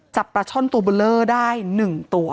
จับปลาช่อนตัวเบอร์เลอร์ได้๑ตัว